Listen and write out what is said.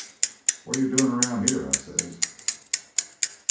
"'What're you doin' round here?' I says.